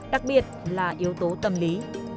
đặc biệt là yếu tố tâm lý